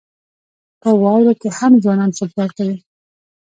په واورو کې هم ځوانان فوټبال کوي.